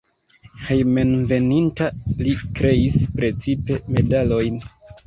Hejmenveninta li kreis precipe medalojn.